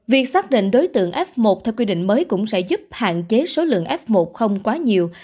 việc xác định đối tượng f một theo quy định mới cũng sẽ giúp hạn chế số lượng f một không quá nhiều